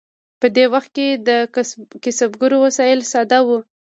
په دې وخت کې د کسبګرو وسایل ساده وو.